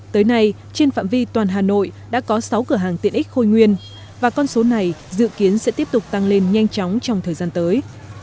tới nay trên phạm vi toàn hà nội đã có sáu cửa hàng tiện ích khôi nguyên và con số này dự kiến sẽ tiếp tục tăng lên nhanh chóng trong thời gian tới